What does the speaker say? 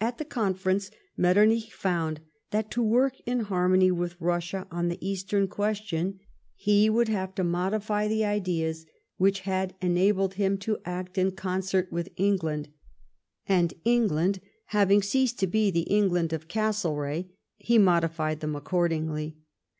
At tlie conference Aletternich found that to work in harmony with Russia on the Eastern question he would have to modify the ideas which had enabled him to act in concert with England ; and, England having ceased to be the M 1 G2 LIFE OF PBINCE METTEBNICH. England of Casllereagh, ho modified them accordingly.